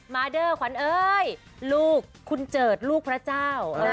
เดอร์ขวัญเอ้ยลูกคุณเจิดลูกพระเจ้า